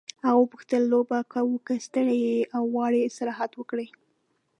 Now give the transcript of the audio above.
هغه وپوښتل لوبه کوو که ستړی یې او غواړې استراحت وکړې.